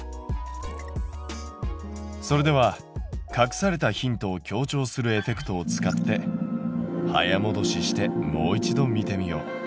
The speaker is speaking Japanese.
それでは隠されたヒントを強調するエフェクトを使って早もどししてもう一度見てみよう。